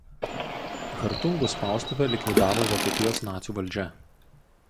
Hartungų spaustuvę likvidavo Vokietijos nacių valdžia.